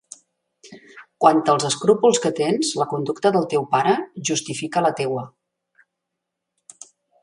Quant als escrúpols que tens, la conducta del teu pare justifica la teua.